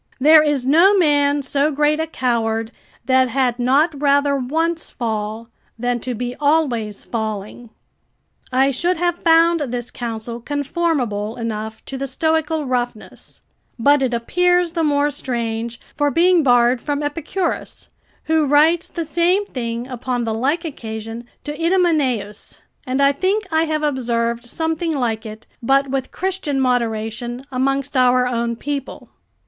There is no man so great a coward, that had not rather once fall than to be always falling." I should have found this counsel conformable enough to the Stoical roughness: but it appears the more strange, for being borrowed from Epicurus, who writes the same thing upon the like occasion to Idomeneus. And I think I have observed something like it, but with Christian moderation, amongst our own people.